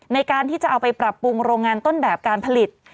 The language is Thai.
ในการที่จะเอาไปปรับปรุงโรงงานต้นแบบการผลิต